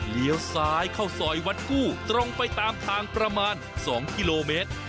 เลี้ยวซ้ายเข้าซอยวัดกู้ตรงไปตามทางประมาณ๒กิโลเมตร